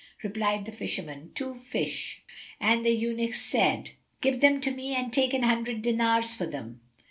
Replied the fisherman, "Two fish," and the eunuch said, "Give them to me and take an hundred dinars for them."